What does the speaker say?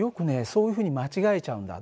そういうふうに間違えちゃうんだ。